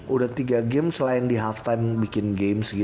udah tiga game selain di halftime bikin games gitu